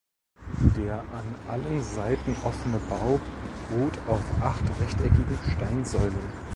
Der an allen Seiten offene Bau ruht auf acht rechteckigen Steinsäulen.